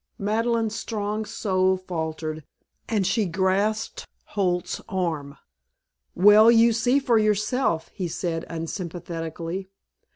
Madeleine's strong soul faltered, and she grasped Holt's arm. "Well, you see for yourself," he said unsympathetically.